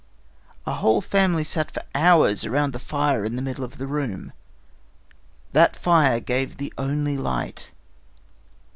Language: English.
A whole family sat for hours around the fire in the middle of the room. That fire gave the only light.